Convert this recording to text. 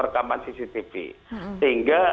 rekaman cctv sehingga